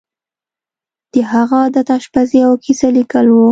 د هغه عادت آشپزي او کیسه لیکل وو